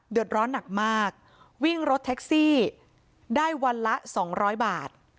เดือดร้อนหนักมากวิ่งรถแท็กซี่ได้วันละ๒๐๐บาท